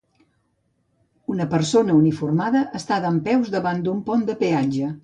Una persona uniformada està dempeus davant d'un pont de peatge